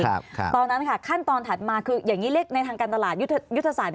ตอนนั้นค่ะขั้นตอนถัดมาคืออย่างนี้เรียกในทางการตลาดยุทธศาสตร์